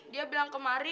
dia bilang ke mari